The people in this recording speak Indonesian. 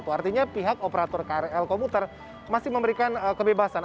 artinya pihak operator krl komuter masih memberikan kebebasan